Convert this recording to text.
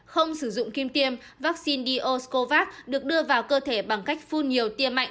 không sử dụng kim tiêm vaccine d o sinvac được đưa vào cơ thể bằng cách phun nhiều tiêm mạnh